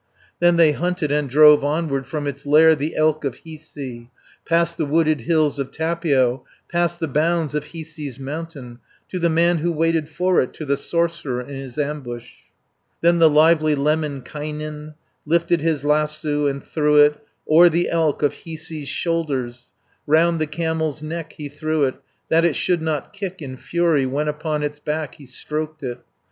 Then they hunted and drove onward From its lair the elk of Hiisi, 240 Past the wooded hills of Tapio, Past the bounds of Hiisi's mountain, To the man who waited for it, To the sorcerer in his ambush. Then the lively Lemminkainen Lifted his lasso, and threw it O'er the elk of Hiisi's shoulders, Round the camel's neck he threw it, That it should not kick in fury, When upon its back he stroked it.